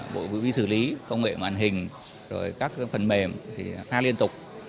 bộ quỹ sử lý công nghệ màn hình các phần mềm thì khá liên tục